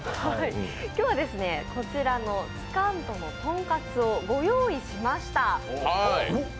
今日はこちらのつかんとのとんかつをご用意しました。